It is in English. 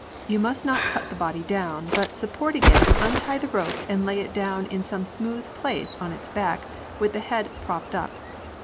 You must not cut the body down, but, supporting it, untie the rope and lay it down in some smooth place on its back with the head propped up.